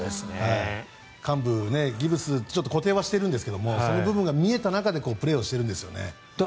患部、ギプス固定はしているんですがその部分が見えた中でプレーをしてるんですよね。